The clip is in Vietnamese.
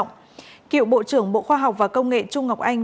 trong vụ án này cựu bộ trưởng bộ khoa học và công nghệ trung ngọc anh